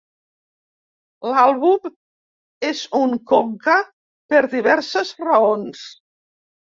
L'àlbum és un conca per diverses raons.